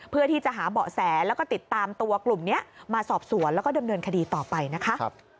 เพื่อที่จะหาเบาะแสแล้วก็ติดตามตัวกลุ่มนี้มาสอบสวนแล้วก็ดำเนินคดีต่อไปนะคะ